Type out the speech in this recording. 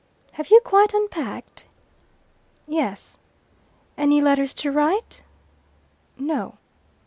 "Have you quite unpacked?" "Yes." "Any letters to write?" No.